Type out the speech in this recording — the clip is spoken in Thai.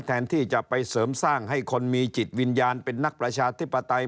แทนที่จะไปเสริมสร้างให้คนมีจิตวิญญาณเป็นนักประชาธิปไตย